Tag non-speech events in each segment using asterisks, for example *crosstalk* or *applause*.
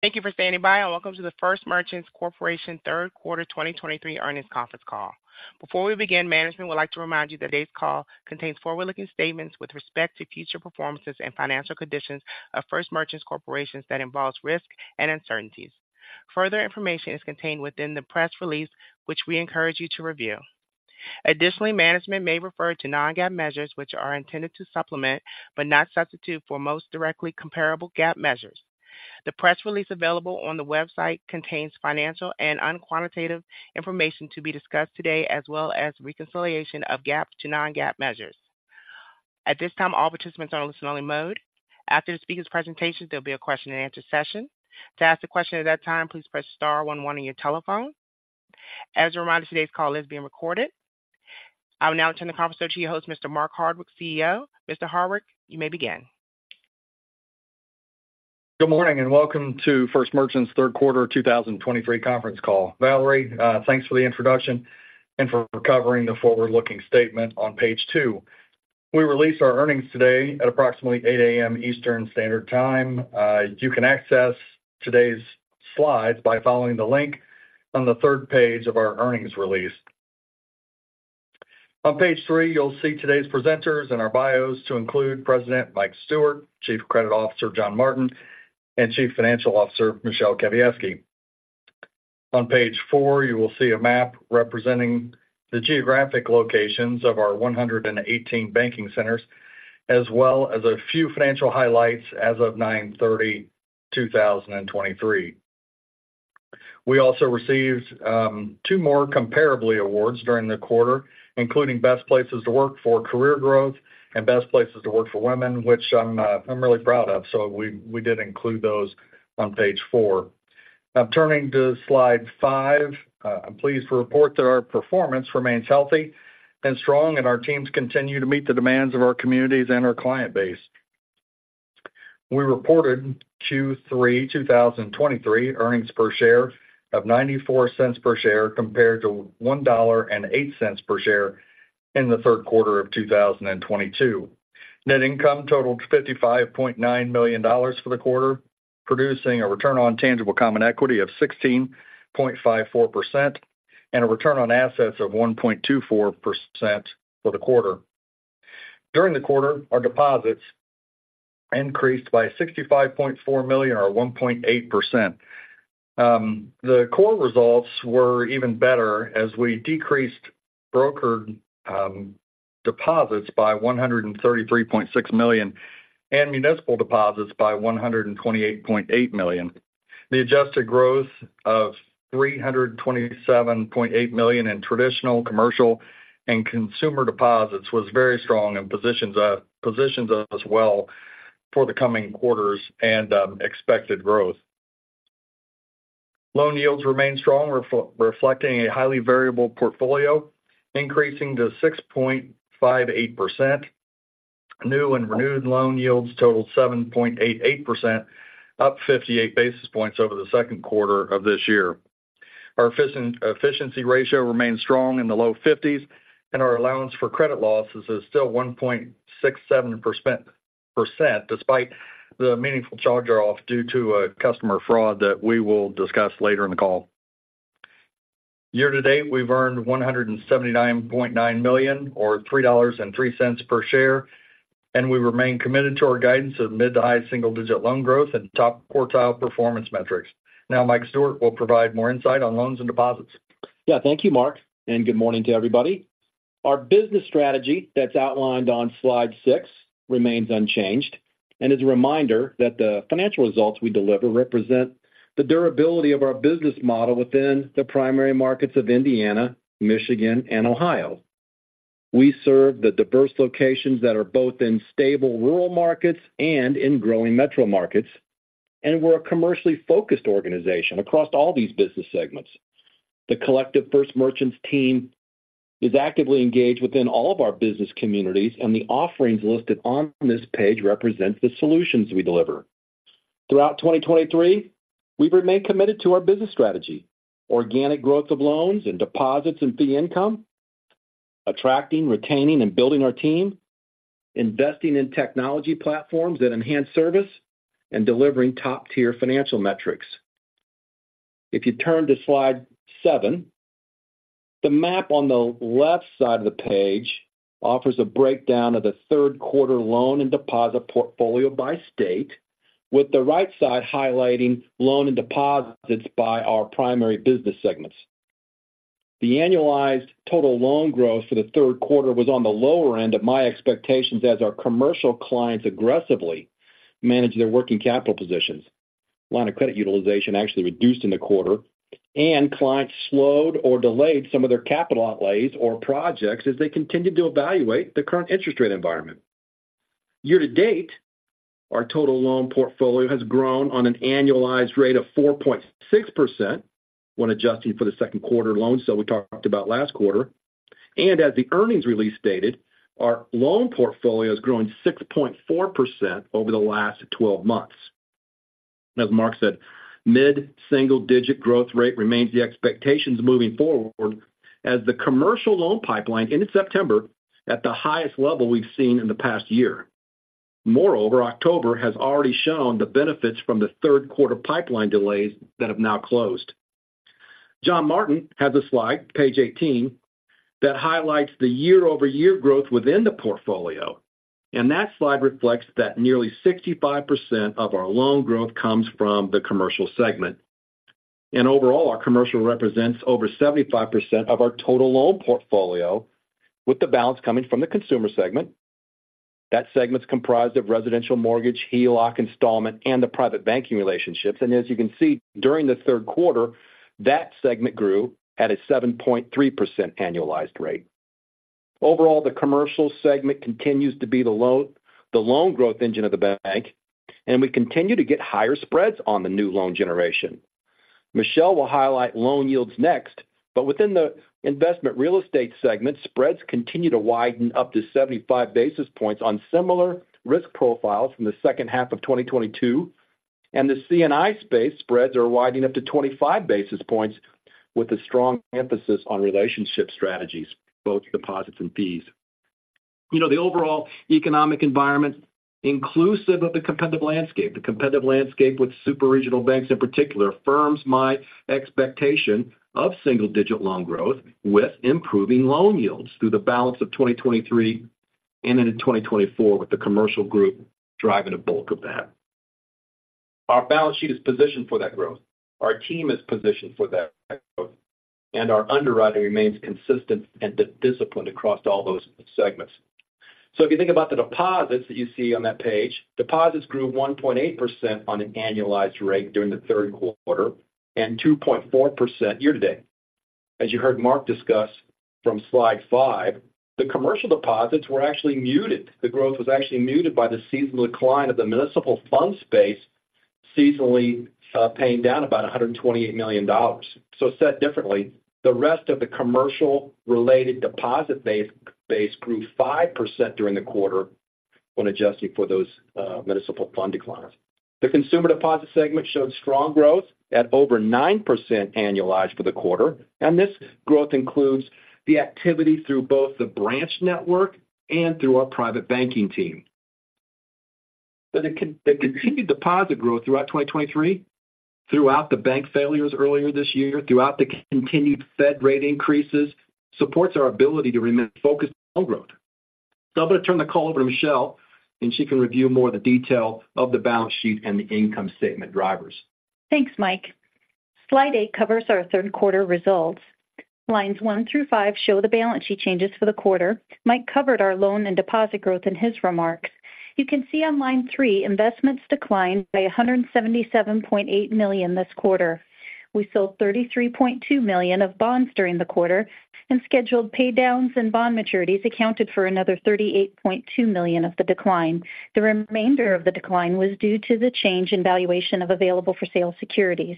Thank you for standing by and welcome to the First Merchants Corporation Q3 2023 Earnings Conference Call. Before we begin, management would like to remind you that today's call contains forward-looking statements with respect to future performances and financial conditions of First Merchants Corporation that involve risks and uncertainties. Further information is contained within the press release, which we encourage you to review. Additionally, management may refer to non-GAAP measures, which are intended to supplement, but not substitute for, most directly comparable GAAP measures. The press release available on the website contains financial and unquantitative information to be discussed today, as well as reconciliation of GAAP to non-GAAP measures. At this time, all participants are on listen-only mode. After the speaker's presentation, there'll be a question-and-answer session. To ask a question at that time, please press star one one on your telephone. As a reminder, today's call is being recorded. I will now turn the conference over to your host, Mr. Mark Hardwick, CEO. Mr. Hardwick, you may begin. Good morning, and welcome to First Merchants Q3 2023 Conference Call. Valerie, thanks for the introduction and for covering the forward-looking statement on page two. We released our earnings today at approximately 8:00 A.M. Eastern Standard Time. You can access today's slides by following the link on the third page of our earnings release. On page three, you'll see today's presenters and our bios, to include President Mike Stewart, Chief Credit Officer John Martin, and Chief Financial Officer Michele Kawiecki. On page four, you will see a map representing the geographic locations of our 118 banking centers, as well as a few financial highlights as of 9/30/2023. We also received two more Comparably awards during the quarter, including Best Places to Work for Career Growth and Best Places to Work for Women, which I'm really proud of. We did include those on page four. Now, turning to slide five, I'm pleased to report that our performance remains healthy and strong, and our teams continue to meet the demands of our communities and our client base. We reported Q3 2023 earnings per share of $0.94 per share, compared to $1.08 per share in the Q3 of 2022. Net income totaled $55.9 million for the quarter, producing a return on tangible common equity of 16.54% and a return on assets of 1.24% for the quarter. During the quarter, our deposits increased by $65.4 million, or 1.8%. The core results were even better as we decreased brokered deposits by $133.6 million and municipal deposits by $128.8 million. The adjusted growth of $327.8 million in traditional commercial and consumer deposits was very strong and positions us well for the coming quarters and expected growth. Loan yields remain strong, reflecting a highly variable portfolio, increasing to 6.58%. New and renewed loan yields totaled 7.88%, up 58 basis points over the Q2 of this year. Our efficiency ratio remains strong in the low 50s, and our allowance for credit losses is still 1.67%, despite the meaningful charge-off due to a customer fraud that we will discuss later in the call. Year to date, we've earned $179.9 million, or $3.03 per share, and we remain committed to our guidance of mid-to-high single-digit loan growth and top quartile performance metrics. Now, Mike Stewart will provide more insight on loans and deposits. Yeah, thank you, Mark, and good morning to everybody. Our business strategy that's outlined on slide six remains unchanged and is a reminder that the financial results we deliver represent the durability of our business model within the primary markets of Indiana, Michigan, and Ohio. We serve the diverse locations that are both in stable rural markets and in growing metro markets, and we're a commercially focused organization across all these business segments. The collective First Merchants team is actively engaged within all of our business communities, and the offerings listed on this page represent the solutions we deliver. Throughout 2023, we've remained committed to our business strategy, organic growth of loans and deposits and fee income, attracting, retaining, and building our team, investing in technology platforms that enhance service, and delivering top-tier financial metrics. If you turn to slide seven, the map on the left side of the page offers a breakdown of the Q3 loan and deposit portfolio by state, with the right side highlighting loan and deposits by our primary business segments. The annualized total loan growth for the Q3 was on the lower end of my expectations as our commercial clients aggressively managed their working capital positions. Line of credit utilization actually reduced in the quarter, and clients slowed or delayed some of their capital outlays or projects as they continued to evaluate the current interest rate environment. Year to date, our total loan portfolio has grown on an annualized rate of 4.6% when adjusting for the Q2 loan sale we talked about last quarter. As the earnings release stated, our loan portfolio is growing 6.4% over the last 12 months. As Mark said, mid-single digit growth rate remains the expectations moving forward as the commercial loan pipeline into September at the highest level we've seen in the past year. Moreover, October has already shown the benefits from the Q3 pipeline delays that have now closed. John Martin has a slide, page 18, that highlights the year-over-year growth within the portfolio, and that slide reflects that nearly 65% of our loan growth comes from the commercial segment. Overall, our commercial represents over 75% of our total loan portfolio, with the balance coming from the consumer segment. That segment is comprised of residential mortgage, HELOC, installment, and the private banking relationships. And as you can see, during the Q3, that segment grew at a 7.3% annualized rate. Overall, the commercial segment continues to be the loan, the loan growth engine of the bank, and we continue to get higher spreads on the new loan generation. Michele will highlight loan yields next. But within the investment real estate segment, spreads continue to widen up to 75 basis points on similar risk profiles from the second half of 2022. And the C&I space spreads are widening up to 25 basis points, with a strong emphasis on relationship strategies, both deposits and fees. You know, the overall economic environment, inclusive of the competitive landscape, the competitive landscape with super regional banks in particular, informs my expectation of single-digit loan growth with improving loan yields through the balance of 2023 and into 2024, with the commercial group driving the bulk of that. Our balance sheet is positioned for that growth. Our team is positioned for that growth, and our underwriting remains consistent and disciplined across all those segments. So if you think about the deposits that you see on that page, deposits grew 1.8% on an annualized rate during the Q3 and 2.4% year-to-date. As you heard Mark discuss from slide five, the commercial deposits were actually muted. The growth was actually muted by the seasonal decline of the municipal fund space, seasonally paying down about $128 million. So said differently, the rest of the commercial-related deposit base grew 5% during the quarter when adjusting for those municipal fund declines. The consumer deposit segment showed strong growth at over 9% annualized for the quarter, and this growth includes the activity through both the branch network and through our private banking team. So the continued deposit growth throughout 2023, throughout the bank failures earlier this year, throughout the continued Fed rate increases, supports our ability to remain focused on growth. So I'm going to turn the call over to Michele, and she can review more of the detail of the balance sheet and the income statement drivers. Thanks, Mike. Slide eight covers our Q3 results. Lines one through five show the balance sheet changes for the quarter. Mike covered our loan and deposit growth in his remarks. You can see on line three, investments declined by $177.8 million this quarter. We sold $33.2 million of bonds during the quarter, and scheduled pay downs and bond maturities accounted for another $38.2 million of the decline. The remainder of the decline was due to the change in valuation of available-for-sale securities.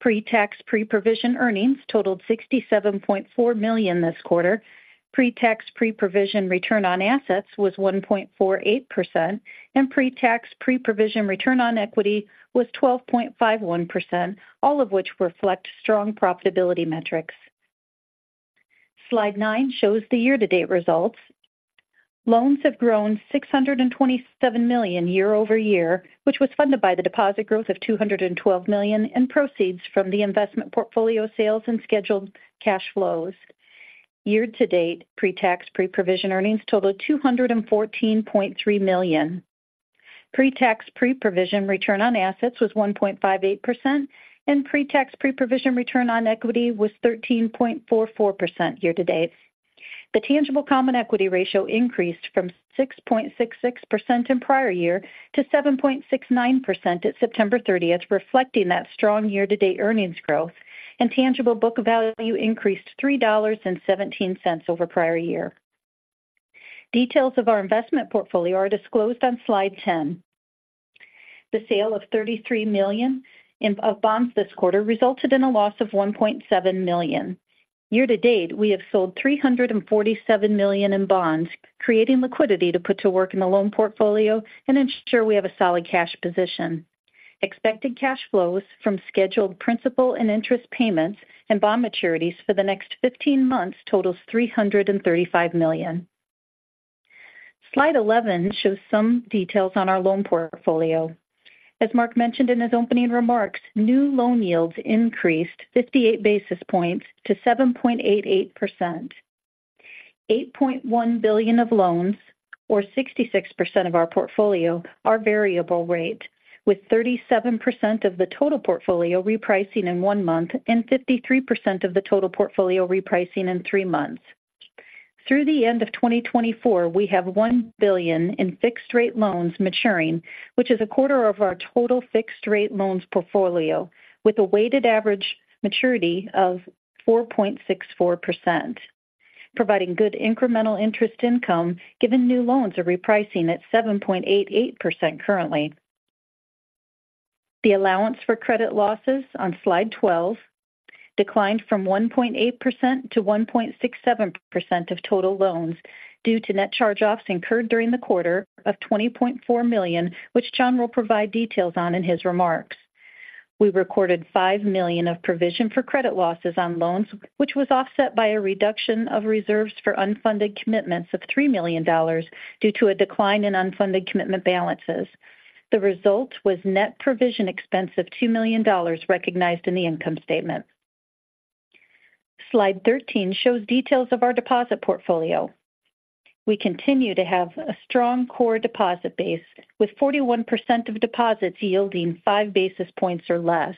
Pre-Tax, Pre-Provision Earnings totaled $67.4 million this quarter. Pre-Tax, Pre-Provision Return on Assets was 1.48%, and Pre-Tax, Pre-Provision Return on Equity was 12.51%, all of which reflect strong profitability metrics. Slide nine shows the year-to-date results. Loans have grown $627 million year-over-year, which was funded by the deposit growth of $212 million and proceeds from the investment portfolio sales and scheduled cash flows. Year to date, pre-tax, pre-provision earnings totaled $214.3 million. Pre-tax, pre-provision return on assets was 1.58%, and pre-tax, pre-provision return on equity was 13.44% year to date. The tangible common equity ratio increased from 6.66% in prior year to 7.69% at September 30th, reflecting that strong year-to-date earnings growth and tangible book value increased $3.17 over prior year. Details of our investment portfolio are disclosed on slide 10. The sale of $33 million in, of bonds this quarter resulted in a loss of $1.7 million. Year to date, we have sold $347 million in bonds, creating liquidity to put to work in the loan portfolio and ensure we have a solid cash position. Expected cash flows from scheduled principal and interest payments and bond maturities for the next 15 months totals $335 million. Slide 11 shows some details on our loan portfolio. As Mark mentioned in his opening remarks, new loan yields increased 58 basis points to 7.88%. $8.1 billion of loans, or 66% of our portfolio, are variable rate, with 37% of the total portfolio repricing in one month and 53% of the total portfolio repricing in three months. Through the end of 2024, we have $1 billion in fixed-rate loans maturing, which is a quarter of our total fixed-rate loans portfolio, with a weighted average maturity of 4.64%, providing good incremental interest income, given new loans are repricing at 7.88% currently. The allowance for credit losses on slide 12 declined from 1.8% to 1.67% of total loans due to net charge-offs incurred during the quarter of $20.4 million, which John will provide details on in his remarks. We recorded $5 million of provision for credit losses on loans, which was offset by a reduction of reserves for unfunded commitments of $3 million due to a decline in unfunded commitment balances. The result was net provision expense of $2 million recognized in the income statement. Slide 13 shows details of our deposit portfolio. We continue to have a strong core deposit base, with 41% of deposits yielding 5 basis points or less.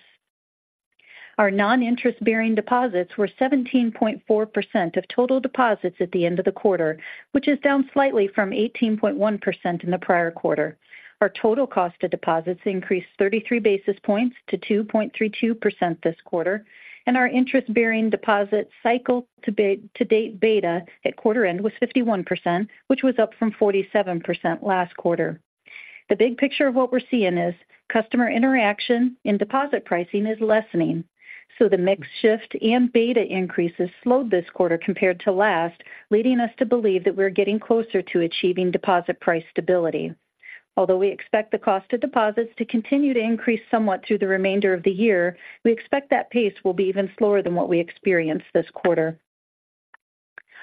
Our non-interest bearing deposits were 17.4% of total deposits at the end of the quarter, which is down slightly from 18.1% in the prior quarter. Our total cost of deposits increased 33 basis points to 2.32% this quarter, and our interest-bearing deposit cycle to date, to date beta at quarter end was 51%, which was up from 47% last quarter. The big picture of what we're seeing is customer interaction in deposit pricing is lessening, so the mix shift and beta increases slowed this quarter compared to last, leading us to believe that we're getting closer to achieving deposit price stability. Although we expect the cost of deposits to continue to increase somewhat through the remainder of the year, we expect that pace will be even slower than what we experienced this quarter.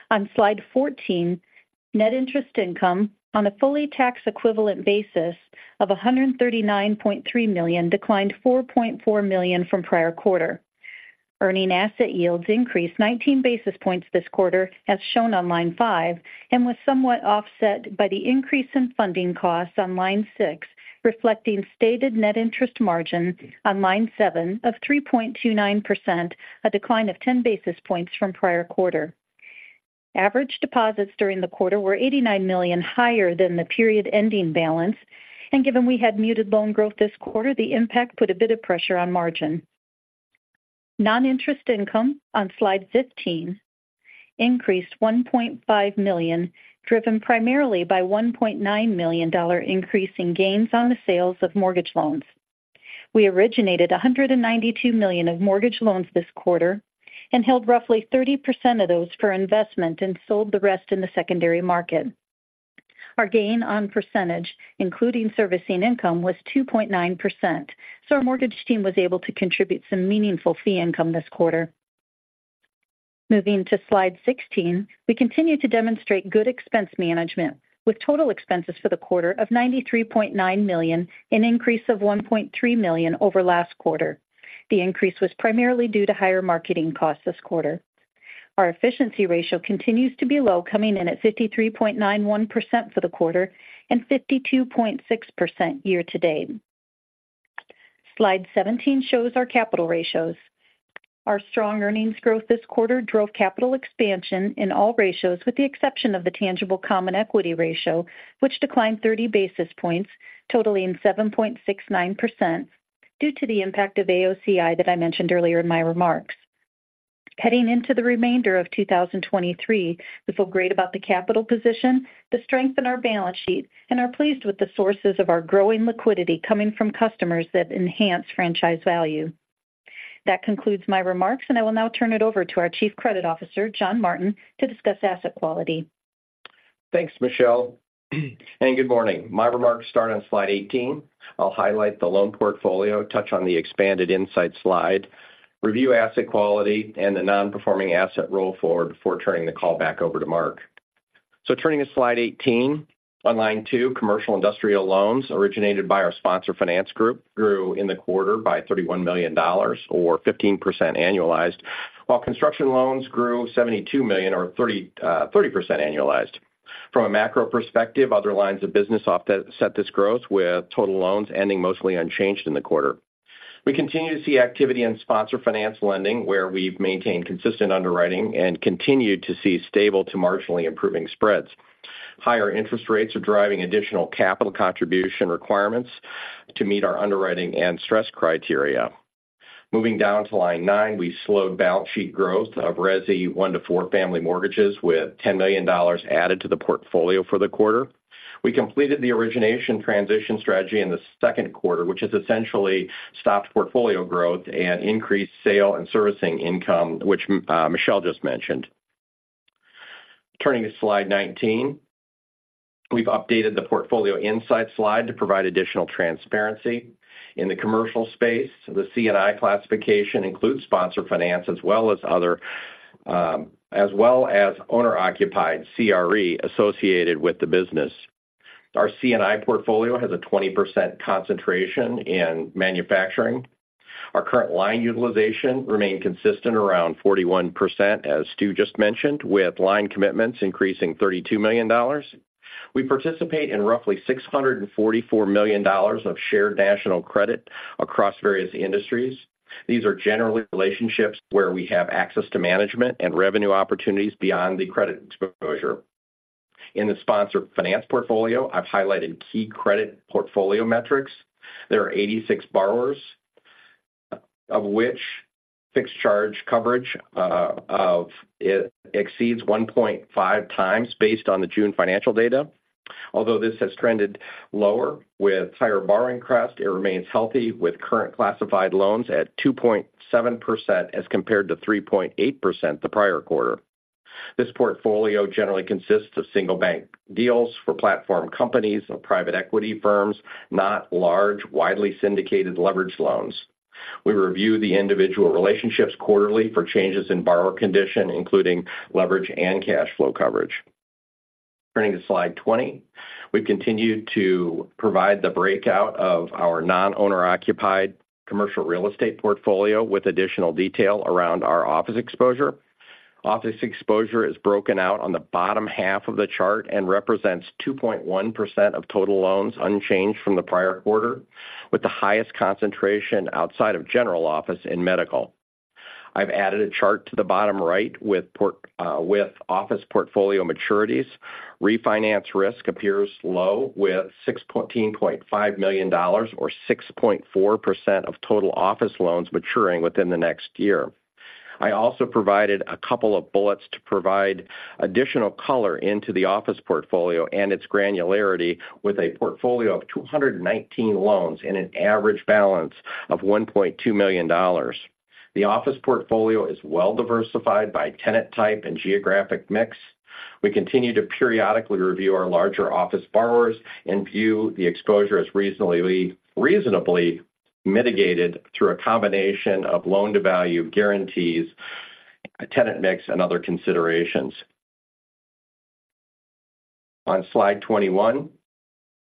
On Slide 14, net interest income on a fully tax equivalent basis of $139.3 million declined $4.4 million from prior quarter. Earning asset yields increased 19 basis points this quarter, as shown on line five, and was somewhat offset by the increase in funding costs on line six, reflecting stated net interest margin on line seven of 3.29%, a decline of 10 basis points from prior quarter. Average deposits during the quarter were $89 million higher than the period ending balance, and given we had muted loan growth this quarter, the impact put a bit of pressure on margin. Non-interest income on slide 15 increased $1.5 million, driven primarily by $1.9 million increase in gains on the sales of mortgage loans. We originated $192 million of mortgage loans this quarter and held roughly 30% of those for investment and sold the rest in the secondary market. Our gain on percentage, including servicing income, was 2.9%. So our mortgage team was able to contribute some meaningful fee income this quarter. Moving to slide 16, we continue to demonstrate good expense management, with total expenses for the quarter of $93.9 million, an increase of $1.3 million over last quarter. The increase was primarily due to higher marketing costs this quarter. Our efficiency ratio continues to be low, coming in at 53.91% for the quarter and 52.6% year to date. Slide 17 shows our capital ratios. Our strong earnings growth this quarter drove capital expansion in all ratios, with the exception of the tangible common equity ratio, which declined 30 basis points, totaling 7.69% due to the impact of AOCI that I mentioned earlier in my remarks. Heading into the remainder of 2023, we feel great about the capital position, the strength in our balance sheet, and are pleased with the sources of our growing liquidity coming from customers that enhance franchise value. That concludes my remarks, and I will now turn it over to our Chief Credit Officer, John Martin, to discuss asset quality. Thanks, Michele, and good morning. My remarks start on slide 18. I'll highlight the loan portfolio, touch on the expanded insights slide, review asset quality, and the non-performing asset roll forward before turning the call back over to Mark. So turning to slide 18, on line two, commercial and industrial loans originated by our sponsor finance group grew in the quarter by $31 million or 15% annualized, while construction loans grew $72 million or 30% annualized. From a macro perspective, other lines of business offset this growth, with total loans ending mostly unchanged in the quarter. We continue to see activity in sponsor finance lending, where we've maintained consistent underwriting and continued to see stable to marginally improving spreads. Higher interest rates are driving additional capital contribution requirements to meet our underwriting and stress criteria. Moving down to line nine, we slowed balance sheet growth of resi one to four family mortgages, with $10 million added to the portfolio for the quarter. We completed the origination transition strategy in the Q2, which has essentially stopped portfolio growth and increased sale and servicing income, which Michele just mentioned. Turning to slide 19. We've updated the portfolio insight slide to provide additional transparency. In the commercial space, the C&I classification includes sponsor finance as well as other, as well as owner-occupied CRE associated with the business. Our C&I portfolio has a 20% concentration in manufacturing. Our current line utilization remained consistent around 41%, as Stu just mentioned, with line commitments increasing $32 million. We participate in roughly $644 million of shared national credit across various industries. These are generally relationships where we have access to management and revenue opportunities beyond the credit exposure. In the sponsor finance portfolio, I've highlighted key credit portfolio metrics. There are 86 borrowers, of which fixed charge coverage of it exceeds 1.5 times based on the June financial data. Although this has trended lower with higher borrowing costs, it remains healthy, with current classified loans at 2.7%, as compared to 3.8% the prior quarter. This portfolio generally consists of single bank deals for platform companies or private equity firms, not large, widely syndicated leveraged loans. We review the individual relationships quarterly for changes in borrower condition, including leverage and cash flow coverage. Turning to slide 20. We've continued to provide the breakout of our non-owner occupied commercial real estate portfolio with additional detail around our office exposure. Office exposure is broken out on the bottom half of the chart and represents 2.1% of total loans, unchanged from the prior quarter, with the highest concentration outside of general office in medical. I've added a chart to the bottom right with office portfolio maturities. Refinance risk appears low, with $16.5 million or 6.4% of total office loans maturing within the next year. I also provided a couple of bullets to provide additional color into the office portfolio and its granularity with a portfolio of 219 loans and an average balance of $1.2 million. The office portfolio is well diversified by tenant type and geographic mix. We continue to periodically review our larger office borrowers and view the exposure as reasonably, reasonably mitigated through a combination of loan-to-value guarantees, tenant mix, and other considerations. On slide 21,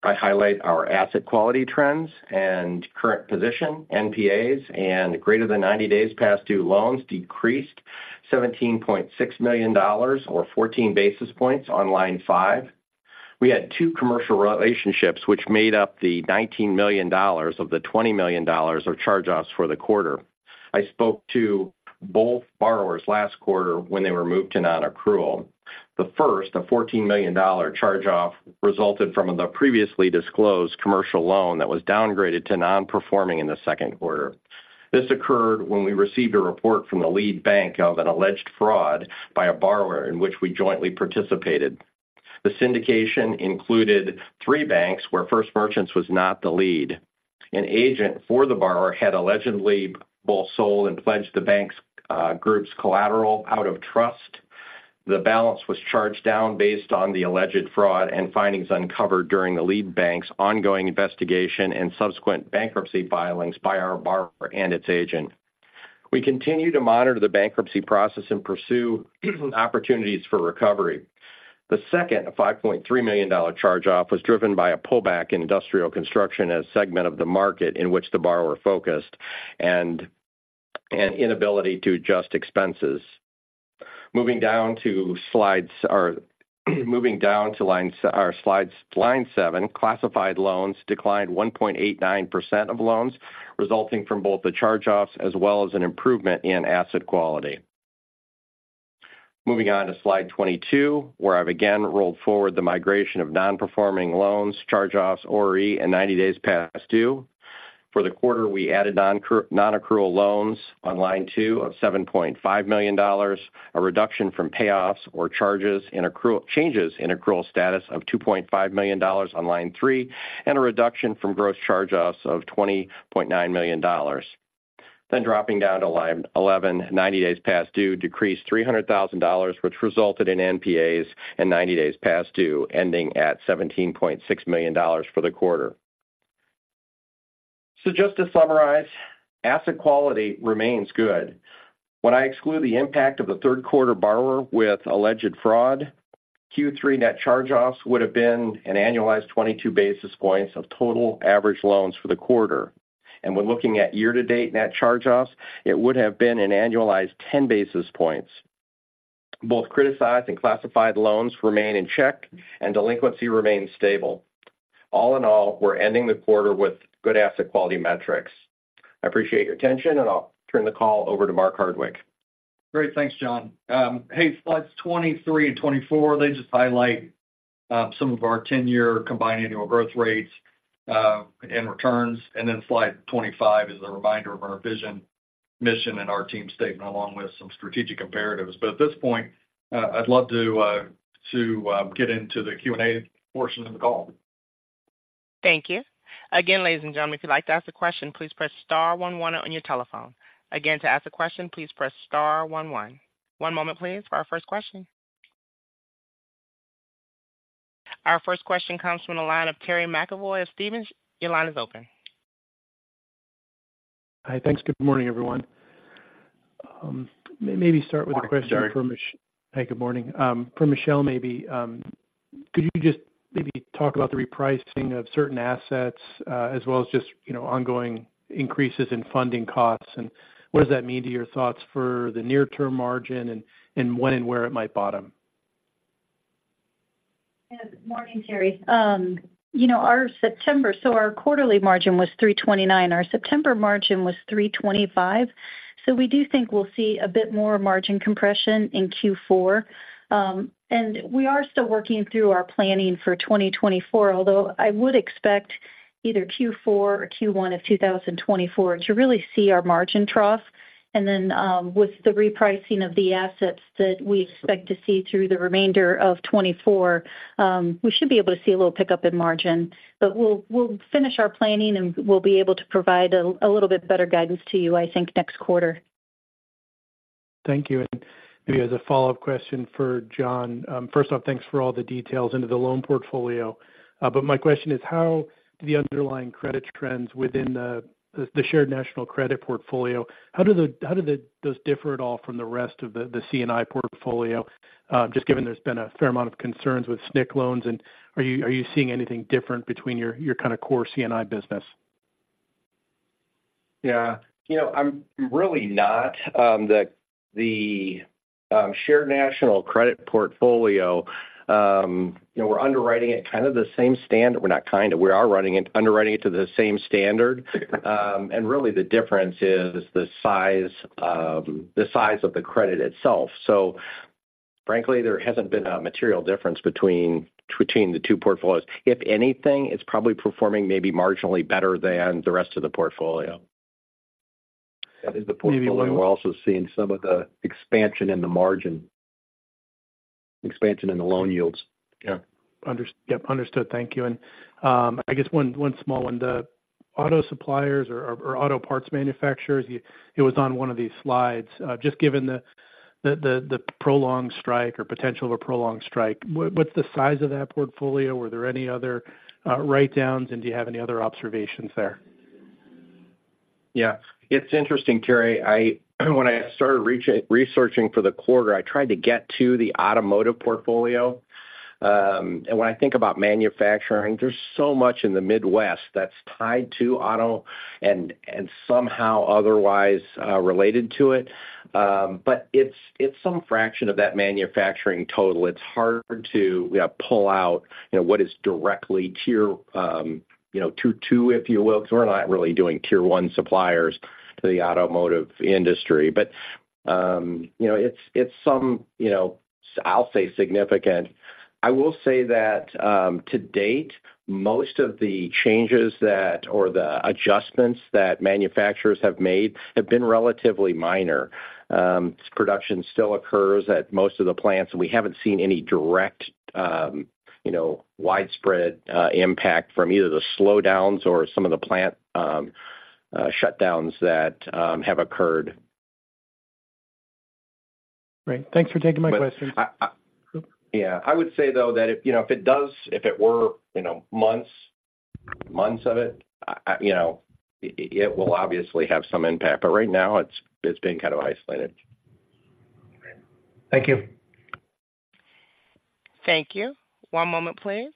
I highlight our asset quality trends and current position. NPAs and greater than 90 days past due loans decreased $17.6 million or 14 basis points on line five. We had two commercial relationships which made up the $19 million of the $20 million of charge-offs for the quarter. I spoke to both borrowers last quarter when they were moved to nonaccrual. The first, a $14 million charge-off, resulted from the previously disclosed commercial loan that was downgraded to nonperforming in the Q2. This occurred when we received a report from the lead bank of an alleged fraud by a borrower in which we jointly participated. The syndication included three banks, where First Merchants was not the lead. An agent for the borrower had allegedly both sold and pledged the bank's group's collateral out of trust. The balance was charged down based on the alleged fraud and findings uncovered during the lead bank's ongoing investigation and subsequent bankruptcy filings by our borrower and its agent. We continue to monitor the bankruptcy process and pursue opportunities for recovery. The second, a $5.3 million charge-off, was driven by a pullback in industrial construction, a segment of the market in which the borrower focused, and inability to adjust expenses. Moving down to line seven, classified loans declined 1.89% of loans, resulting from both the charge-offs as well as an improvement in asset quality. Moving on to slide 22, where I've again rolled forward the migration of nonperforming loans, charge-offs, ORE, and 90 days past due. For the quarter, we added nonaccrual loans on line two of $7.5 million, a reduction from payoffs or changes in accrual status of $2.5 million on line three, and a reduction from gross charge-offs of $20.9 million. Dropping down to line 11, 90 days past due decreased $300,000, which resulted in NPAs and 90 days past due, ending at $17.6 million for the quarter. Just to summarize, asset quality remains good. When I exclude the impact of the Q3 borrower with alleged fraud, Q3 net charge-offs would have been an annualized 22 basis points of total average loans for the quarter. When looking at year-to-date net charge-offs, it would have been an annualized 10 basis points. Both criticized and classified loans remain in check, and delinquency remains stable. All in all, we're ending the quarter with good asset quality metrics. I appreciate your attention, and I'll turn the call over to Mark Hardwick. Great. Thanks, John. Hey, slides 23 and 24, they just highlight some of our ten-year combined annual growth rates and returns. And then slide 25 is a reminder of our vision, mission, and our team statement, along with some strategic imperatives. But at this point, I'd love to get into the Q&A portion of the call. Thank you. Again, ladies and gentlemen, if you'd like to ask a question, please press star one one on your telephone. Again, to ask a question, please press star one one. One moment, please, for our first question. Our first question comes from the line of Terry McEvoy of Stephens. Your line is open. Hi, thanks. Good morning, everyone. Maybe start with a question. Morning, Terry. Hi, good morning. For Michele, maybe, could you just maybe talk about the repricing of certain assets, as well as just, you know, ongoing increases in funding costs, and what does that mean to your thoughts for the near-term margin and, and when and where it might bottom? Yes. Morning, Terry. You know, our September, so our quarterly margin was 3.29. Our September margin was 3.25. We do think we'll see a bit more margin compression in Q4. We are still working through our planning for 2024, although I would expect either Q4 or Q1 of 2024 to really see our margin trough. With the repricing of the assets that we expect to see through the remainder of 2024, we should be able to see a little pickup in margin. We'll finish our planning, and we'll be able to provide a little bit better guidance to you, I think, next quarter. Thank you. And maybe as a follow-up question for John. First off, thanks for all the details into the loan portfolio. But my question is, how do the underlying credit trends within the Shared National Credit portfolio, how do those differ at all from the rest of the C&I portfolio? Just given there's been a fair amount of concerns with SNC loans, and are you seeing anything different between your kind of core C&I business? Yeah. You know, I'm really not. The Shared National Credit portfolio, you know, we're underwriting it kind of the same standard. Well, not kind of, we are running it, underwriting it to the same standard. And really the difference is the size of the credit itself. So frankly, there hasn't been a material difference between the two portfolios. If anything, it's probably performing maybe marginally better than the rest of the portfolio. That is the portfolio *crosstalk* we're also seeing some of the expansion in the margin, expansion in the loan yields. Yeah. Understood. Yep, understood. Thank you. And I guess one small one, the auto suppliers or auto parts manufacturers, it was on one of these slides. Just given the prolonged strike or potential of a prolonged strike, what's the size of that portfolio? Were there any other write-downs, and do you have any other observations there? Yeah, it's interesting, Terry. When I started researching for the quarter, I tried to get to the automotive portfolio. And when I think about manufacturing, there's so much in the Midwest that's tied to auto and somehow otherwise related to it. But it's some fraction of that manufacturing total. It's hard to pull out, you know, what is directly tier two, if you will, because we're not really doing tier one suppliers to the automotive industry. But you know, it's some, you know, I'll say significant. I will say that to date, most of the changes or the adjustments that manufacturers have made have been relatively minor. Production still occurs at most of the plants, and we haven't seen any direct, you know, widespread, impact from either the slowdowns or some of the plant, shutdowns that, have occurred. Great. Thanks for taking my questions. Yeah. I would say, though, that if, you know, if it does, if it were, you know, months of it, you know, it will obviously have some impact, but right now, it's been kind of isolated. Okay. Thank you. Thank you. One moment, please.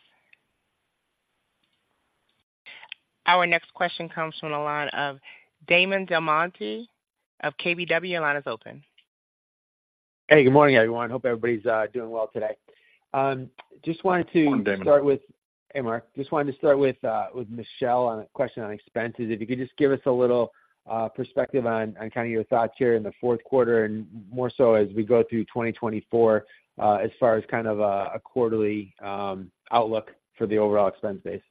Our next question comes from the line of Damon DelMonte of KBW. Your line is open. Hey, good morning, everyone. Hope everybody's doing well today. Just wanted to. Good morning, Damon. Hey, Mark. Just wanted to start with Michele on a question on expenses. If you could just give us a little perspective on kind of your thoughts here in the Q4 and more so as we go through 2024, as far as kind of a quarterly outlook for the overall expense base.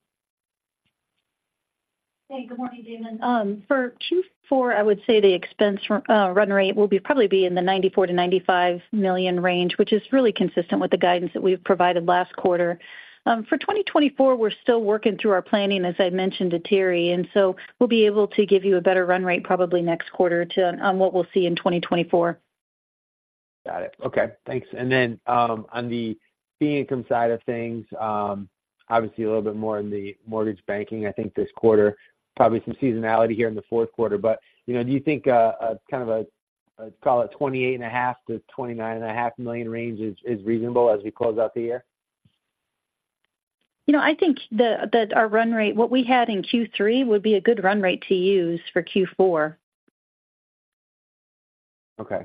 Hey, good morning, Damon. For Q4, I would say the expense run rate will probably be in the $94 million-$95 million range, which is really consistent with the guidance that we've provided last quarter. For 2024, we're still working through our planning, as I mentioned to Terry, and so we'll be able to give you a better run rate probably next quarter to, on what we'll see in 2024. Got it. Okay, thanks. And then, on the fee income side of things, obviously a little bit more in the mortgage banking. I think this quarter, probably some seasonality here in the Q4. But, you know, do you think, a kind of a, call it $28.5 million-$29.5 million range is reasonable as we close out the year? You know, I think that our run rate, what we had in Q3, would be a good run rate to use for Q4. Okay. All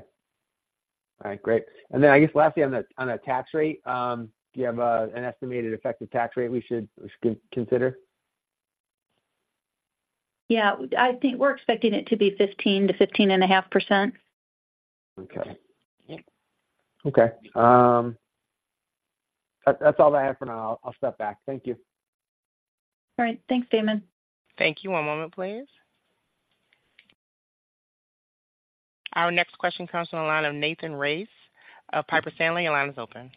right, great. And then I guess lastly, on the, on the tax rate, do you have an estimated effective tax rate we should consider? Yeah, I think we're expecting it to be 15%-15.5%. Okay. Okay. That, that's all I have for now. I'll step back. Thank you. All right. Thanks, Damon. Thank you. One moment, please. Our next question comes from the line of Nathan Race of Piper Sandler. Your line is open.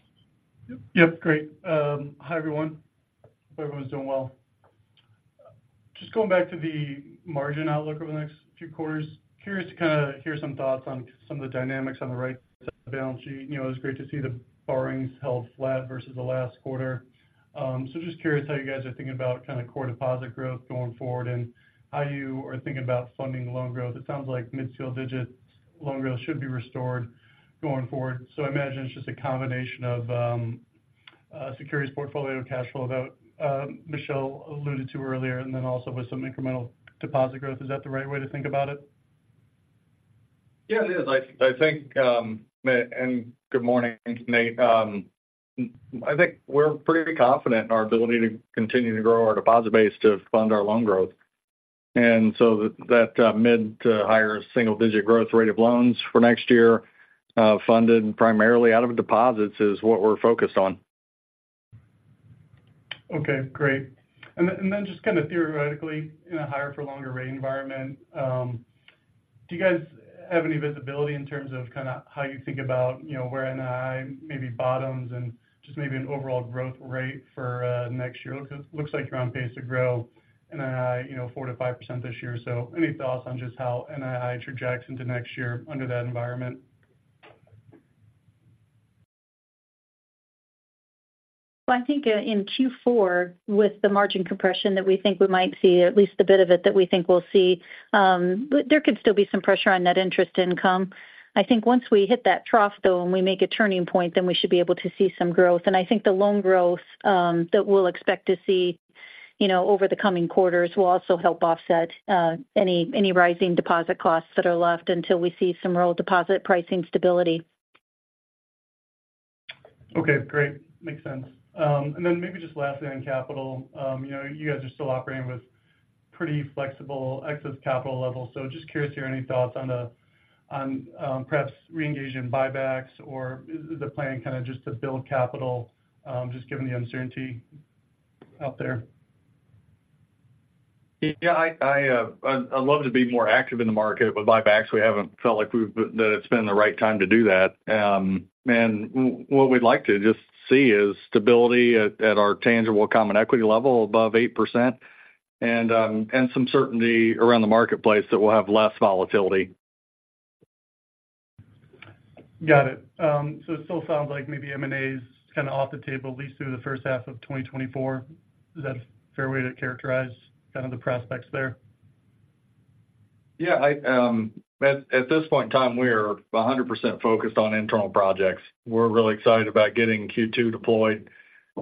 Yep, great. Hi, everyone. Hope everyone's doing well. Just going back to the margin outlook over the next few quarters, curious to kind of hear some thoughts on some of the dynamics on the right side of the balance sheet. You know, it was great to see the borrowings held flat versus the last quarter. So just curious how you guys are thinking about kind of core deposit growth going forward and how you are thinking about funding loan growth. It sounds like mid-single digit loan growth should be restored going forward. So I imagine it's just a combination of securities portfolio and cash flow that Michele alluded to earlier, and then also with some incremental deposit growth. Is that the right way to think about it? Yeah, it is. I think and good morning, Nate. I think we're pretty confident in our ability to continue to grow our deposit base to fund our loan growth. And so that mid- to higher single-digit growth rate of loans for next year, funded primarily out of deposits, is what we're focused on. Okay, great. And then just kind of theoretically, in a higher for longer rate environment, do you guys have any visibility in terms of kind of how you think about, you know, where NII maybe bottoms and just maybe an overall growth rate for next year? Because it looks like you're on pace to grow NII, you know, 4%-5% this year. So any thoughts on just how NII trajects into next year under that environment? Well, I think, in Q4, with the margin compression that we think we might see, at least a bit of it that we think we'll see, but there could still be some pressure on net interest income. I think once we hit that trough, though, and we make a turning point, then we should be able to see some growth. And I think the loan growth that we'll expect to see, you know, over the coming quarters will also help offset any rising deposit costs that are left until we see some real deposit pricing stability. Okay, great. Makes sense. And then maybe just lastly on capital. You know, you guys are still operating with pretty flexible excess capital levels. So just curious to hear any thoughts on the, perhaps reengaging buybacks, or is the plan kind of just to build capital, just given the uncertainty out there? Yeah, I'd love to be more active in the market with buybacks. We haven't felt like that it's been the right time to do that. And what we'd like to just see is stability at our tangible common equity level above 8% and some certainty around the marketplace that we'll have less volatility. Got it. So it still sounds like maybe M&A is kind of off the table at least through the first half of 2024. Is that a fair way to characterize kind of the prospects there? Yeah, at this point in time, we are 100% focused on internal projects. We're really excited about getting Q2 deployed,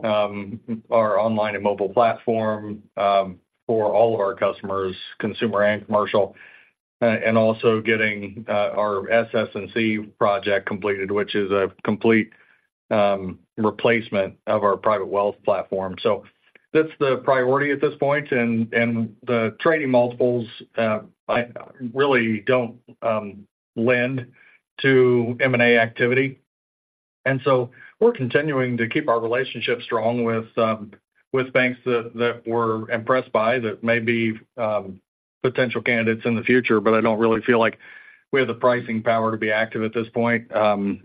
our online and mobile platform, for all of our customers, consumer and commercial. And also getting our SS&C project completed, which is a complete replacement of our private wealth platform. So that's the priority at this point, and the trading multiples I really don't lend to M&A activity. And so we're continuing to keep our relationships strong with banks that we're impressed by, that may be potential candidates in the future, but I don't really feel like we have the pricing power to be active at this point,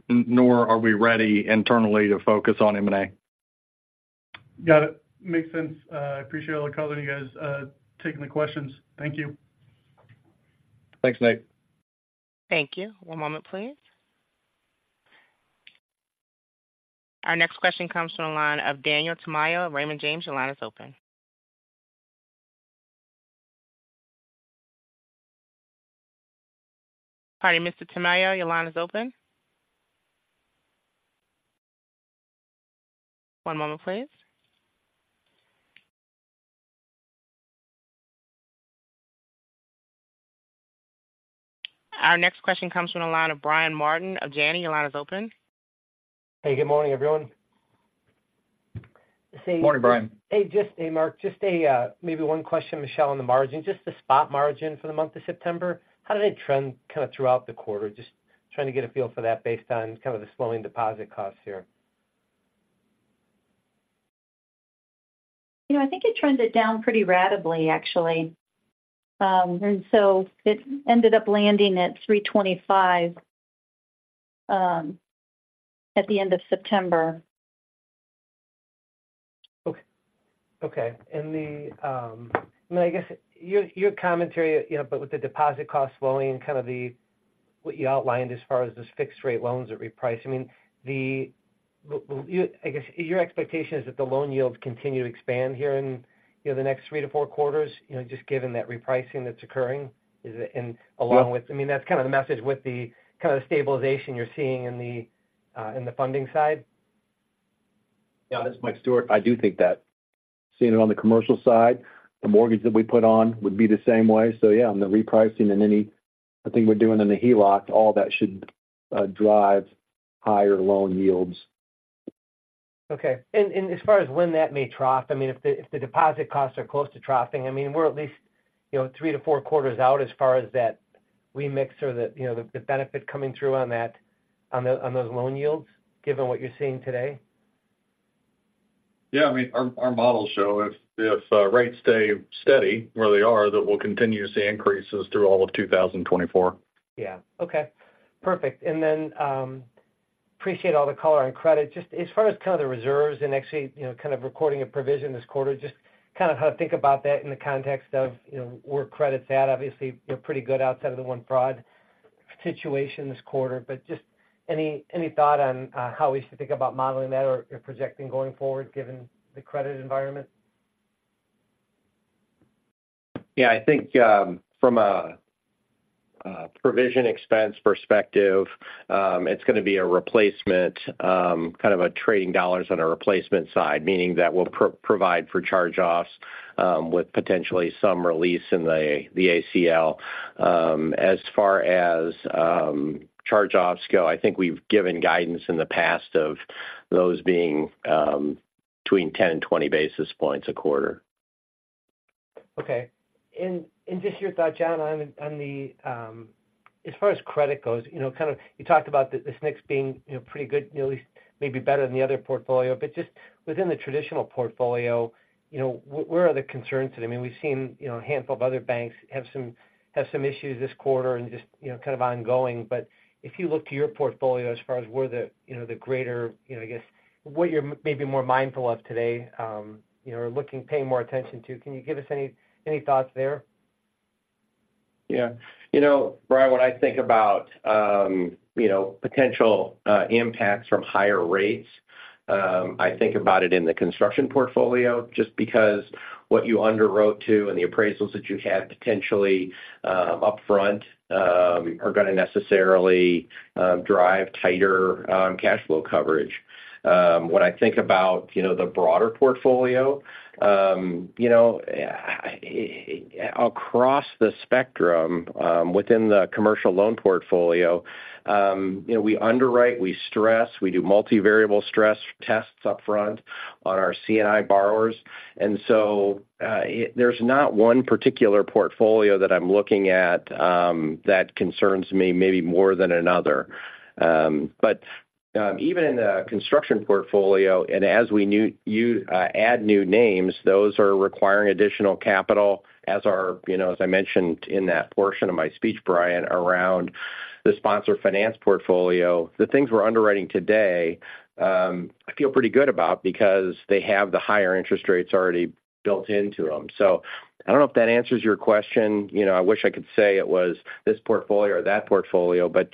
nor are we ready internally to focus on M&A. Got it. Makes sense. I appreciate all the color and you guys taking the questions. Thank you. Thanks, Nate. Thank you. One moment, please. Our next question comes from the line of Daniel Tamayo, Raymond James. Your line is open. Pardon, Mr. Tamayo, your line is open? One moment, please. Our next question comes from the line of Brian Martin of Janney. Your line is open. Hey, good morning, everyone. Morning, Brian. Hey, just hey, Mark, just a, maybe one question, Michele, on the margin. Just the spot margin for the month of September, how did it trend kind of throughout the quarter? Just trying to get a feel for that based on kind of the slowing deposit costs here. You know, I think it trends it down pretty rapidly, actually. And so it ended up landing at 325, at the end of September. Okay. Okay. And I guess your commentary, you know, but with the deposit costs slowing and kind of the, what you outlined as far as those fixed-rate loans are repriced. I mean, I guess your expectation is that the loan yields continue to expand here in, you know, the next 3-4 quarters, you know, just given that repricing that's occurring, is it? And along with, I mean, that's kind of the message with the kind of stabilization you're seeing in the funding side. Yeah, this is Mike Stewart. I do think that. Seeing it on the commercial side, the mortgage that we put on would be the same way. So yeah, on the repricing and any I think we're doing in the HELOC, all that should drive higher loan yields. Okay. And, and as far as when that may trough, I mean, if the, if the deposit costs are close to troughing, I mean, we're at least, you know, 3-4 quarters out as far as that remix or the, you know, the, the benefit coming through on that, on those loan yields, given what you're seeing today? Yeah, I mean, our models show if rates stay steady where they are, that we'll continue to see increases through all of 2024. Yeah. Okay, perfect. And then, appreciate all the color on credit. Just as far as kind of the reserves and actually, you know, kind of recording a provision this quarter, just kind of how to think about that in the context of, you know, where credit's at. Obviously, you're pretty good outside of the one fraud situation this quarter, but just any, any thought on how we should think about modeling that or projecting going forward, given the credit environment? Yeah, I think, from a provision expense perspective, it's going to be a replacement kind of a trading dollars on a replacement side, meaning that we'll provide for charge-offs, with potentially some release in the ACL. As far as charge-offs go, I think we've given guidance in the past of those being between 10 and 20 basis points a quarter. Okay. And just your thought, John, on the, as far as credit goes, you know, kind of you talked about this mix being, you know, pretty good, you know, at least maybe better than the other portfolio. But just within the traditional portfolio, you know, where are the concerns today? I mean, we've seen, you know, a handful of other banks have some issues this quarter and just, you know, kind of ongoing. But if you look to your portfolio as far as where the, you know, the greater, you know, I guess, what you're maybe more mindful of today, you know, or looking, paying more attention to, can you give us any thoughts there? Yeah. You know, Brian, when I think about, you know, potential impacts from higher rates, I think about it in the construction portfolio, just because what you underwrote to and the appraisals that you had potentially, upfront, are gonna necessarily, drive tighter, cash flow coverage. When I think about, you know, the broader portfolio, you know, across the spectrum, within the commercial loan portfolio, you know, we underwrite, we stress, we do multivariable stress tests upfront on our C&I borrowers. And so, there's not one particular portfolio that I'm looking at, that concerns me maybe more than another. But even in the construction portfolio, and as we know, you add new names, those are requiring additional capital, as are, you know, as I mentioned in that portion of my speech, Brian, around the sponsor finance portfolio. The things we're underwriting today, I feel pretty good about because they have the higher interest rates already built into them. So I don't know if that answers your question. You know, I wish I could say it was this portfolio or that portfolio, but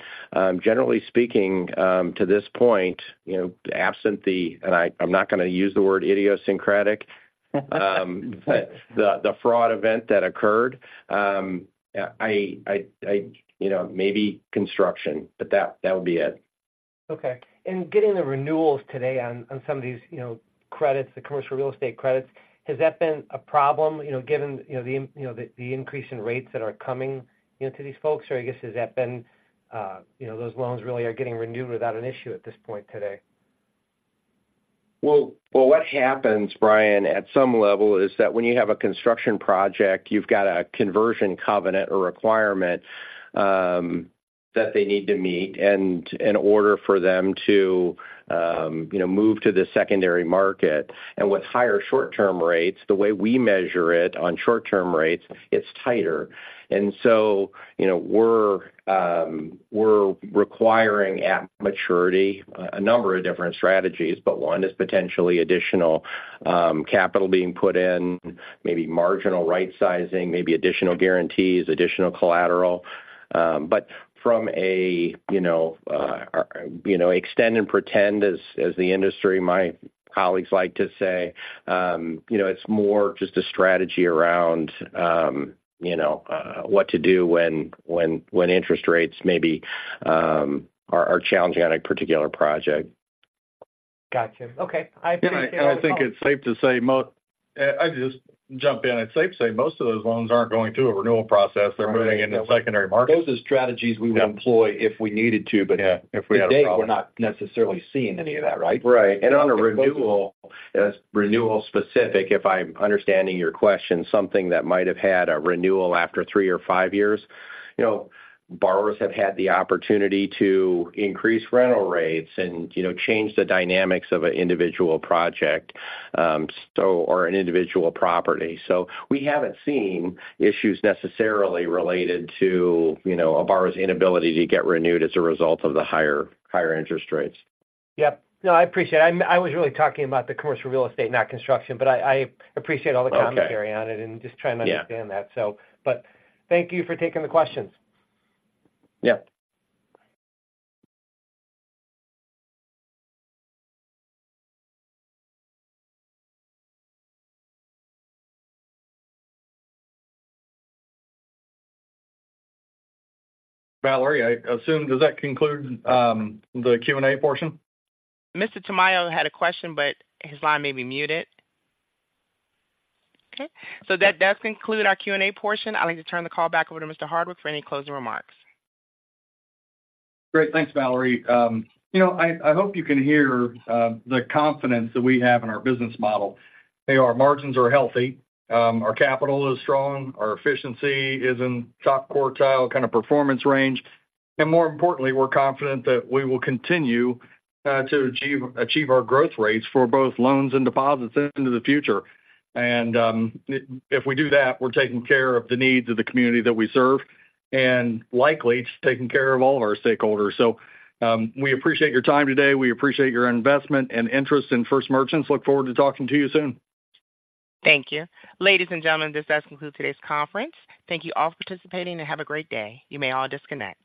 generally speaking, to this point, you know, absent the and I'm not gonna use the word idiosyncratic, but the fraud event that occurred. I, you know, maybe construction, but that would be it. Okay. And getting the renewals today on some of these, you know, credits, the commercial real estate credits, has that been a problem, you know, given, you know, the increase in rates that are coming, you know, to these folks? Or I guess, has that been, you know, those loans really are getting renewed without an issue at this point today? Well, well, what happens, Brian, at some level is that when you have a construction project, you've got a conversion covenant or requirement that they need to meet in order for them to, you know, move to the secondary market. With higher short-term rates, the way we measure it on short-term rates, it's tighter. You know, we're requiring, at maturity, a number of different strategies, but one is potentially additional capital being put in, maybe marginal right-sizing, maybe additional guarantees, additional collateral. From a, you know, extend and pretend, as the industry, my colleagues like to say, you know, it's more just a strategy around, you know, what to do when interest rates maybe are challenging on a particular project. Got you. Okay, I appreciate it. I think it's safe to say most of those loans aren't going through a renewal process. They're moving in the secondary market. Those are strategies we would employ if we needed to, but if we had a problem. Today, we're not necessarily seeing any of that, right? Right. On a renewal, as renewal specific, if I'm understanding your question, something that might have had a renewal after 3 or 5 years, you know, borrowers have had the opportunity to increase rental rates and, you know, change the dynamics of an individual project, so, or an individual property. So we haven't seen issues necessarily related to, you know, a borrower's inability to get renewed as a result of the higher, higher interest rates. Yep. No, I appreciate it. I was really talking about the commercial real estate, not construction, but I appreciate *crosstalk* all the commentary on it and just trying to understand that. Yeah. Thank you for taking the questions. Yeah. Valerie, I assume, does that conclude, the Q&A portion? Mr. Tamayo had a question, but his line may be muted. Okay, so that does conclude our Q&A portion. I'd like to turn the call back over to Mr. Hardwick for any closing remarks. Great. Thanks, Valerie. You know, I, I hope you can hear the confidence that we have in our business model. Our margins are healthy, our capital is strong, our efficiency is in top quartile kind of performance range, and more importantly, we're confident that we will continue to achieve, achieve our growth rates for both loans and deposits into the future. And, if we do that, we're taking care of the needs of the community that we serve, and likely, it's taking care of all of our stakeholders. So, we appreciate your time today. We appreciate your investment and interest in First Merchants. Look forward to talking to you soon. Thank you. Ladies and gentlemen, this does conclude today's conference. Thank you all for participating, and have a great day. You may all disconnect.